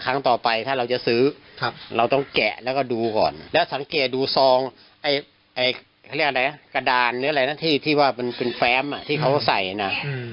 ครั้งต่อไปถ้าเราจะซื้อเราต้องแกะแล้วก็ดูก่อนแล้วสังเกตดูซองกระดานที่ว่าเป็นแฟ้มที่เขาใส่นะ